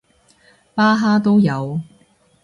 巴哈都有